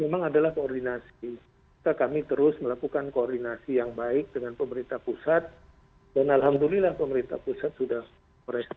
masih terbatas kalau sudah melampaui